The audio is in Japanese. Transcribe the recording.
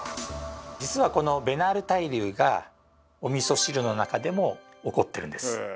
実はこのベナール対流がおみそ汁の中でも起こってるんです。